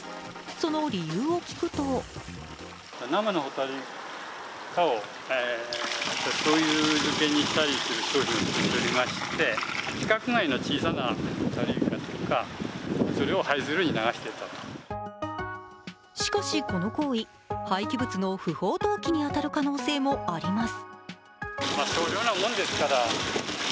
その理由を聞くとしかし、この行為、廃棄物の不法投棄に当たる可能性もあります。